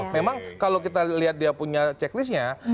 memang kalau kita lihat dia punya checklistnya